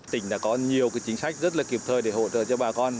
tỉnh đã có nhiều chính sách rất là kịp thời để hỗ trợ cho bà con